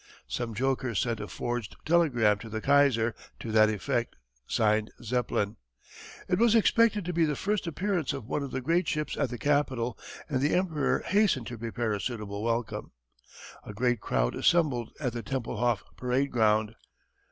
Some joker sent a forged telegram to the Kaiser to that effect signed "Zeppelin." It was expected to be the first appearance of one of the great ships at the capital, and the Emperor hastened to prepare a suitable welcome. A great crowd assembled at the Templehoff Parade Ground.